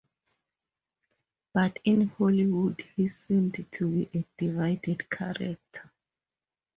But in Hollywood he seemed to be a divided character.